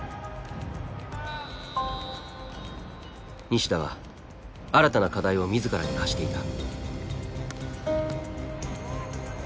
西田は新たな課題を自らに課していた。